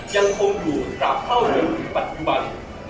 ยังคงอยู่กลับเข้าในปัจจุบัน